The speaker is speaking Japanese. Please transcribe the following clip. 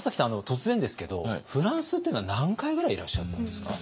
突然ですけどフランスっていうのは何回くらいいらっしゃったんですか？